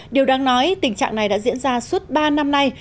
điều đáng nói tình trạng này đã diễn ra suốt ba năm nay